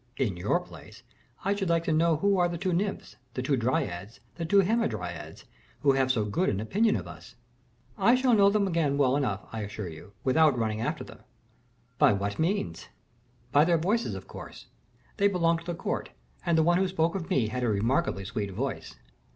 In your place, I should like to know who are the two nymphs, the two dryads, the two hamadryads, who have so good an opinion of us." "I shall know them again very well, I assure you, without running after them." "By what means?" "By their voices, of course. They belong to the court, and the one who spoke of me had a remarkably sweet voice."